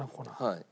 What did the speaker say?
はい。